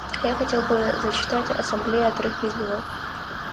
Я хотел бы зачитать Ассамблее отрывки из него.